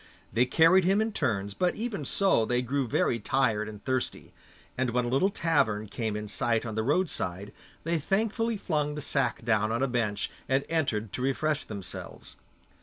They carried him in turns, but even so they grew very tired and thirsty, and when a little tavern came in sight on the roadside, they thankfully flung the sack down on a bench and entered to refresh themselves.